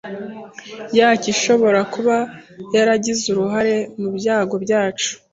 yacyo ishobora kuba yaragize uruhare mu byago byacu.